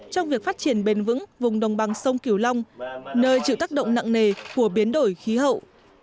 trong việc phát triển bền vững vùng đồng bằng sông cửu long nơi chịu tác động nặng nề của biến đổi khí hậu